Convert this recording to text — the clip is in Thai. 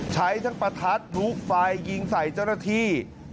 ใช้ทั้งประทัดพลุไฟยิงใส่เจ้าหน้าที่